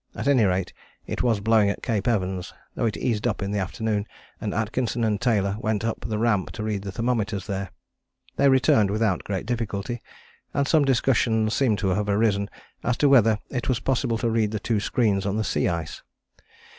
At any rate it was blowing at Cape Evans, though it eased up in the afternoon, and Atkinson and Taylor went up the Ramp to read the thermometers there. They returned without great difficulty, and some discussion seems to have arisen as to whether it was possible to read the two screens on the sea ice.